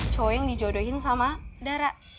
cowok yang dijodohin sama dara